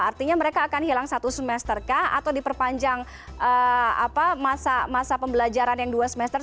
artinya mereka akan hilang satu semester kah atau diperpanjang masa pembelajaran yang dua semester